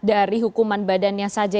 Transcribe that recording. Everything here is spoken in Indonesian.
dari hukuman badannya saja